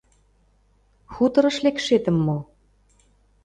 — Хуторыш лекшетым мо?